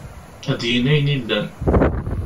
Ad d-yini ayen yellan.